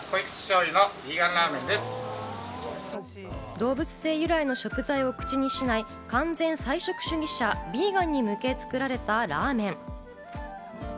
動物性由来の食材を口にしない完全菜食主義者・ヴィーガンに作られたラーメン。